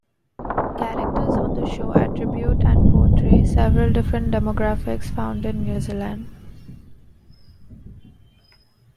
Characters on the show attribute and portray several different demographics found in New Zealand.